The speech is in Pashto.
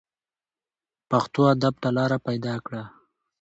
پښتو ادب ته لاره پیدا کړه